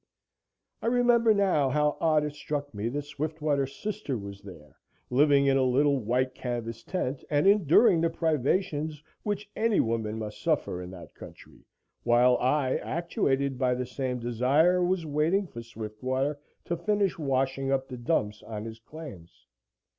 I remember now how odd it struck me that Swiftwater's sister was there, living in a little white canvas tent, and enduring the privations which any woman must suffer in that country, while I, actuated by the same desire, was waiting for Swiftwater to finish washing up the dumps on his claims.